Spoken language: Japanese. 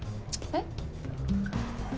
えっ？